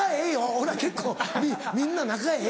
俺ら結構みんな仲ええで。